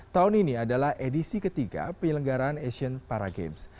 tahun ini adalah edisi ketiga penyelenggaran asian para games